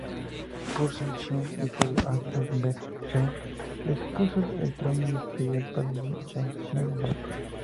Puzur-Sin, hijo de Assur-bel-shame, le expulsó del trono y destruyó el palacio de Shamshiadad.